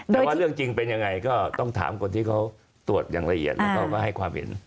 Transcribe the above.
แต่ว่าเรื่องจริงเป็นยังไงก็ต้องถามคนที่เขาตรวจอย่างละเอียดแล้วก็ให้ความเห็น